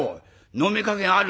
飲みかけがある。